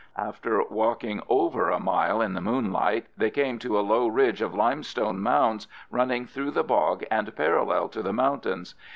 After walking over a mile in the moonlight, they came to a low ridge of limestone mounds running through the bog and parallel to the mountains.